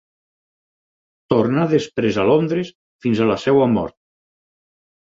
Tornà després a Londres fins a la seva mort.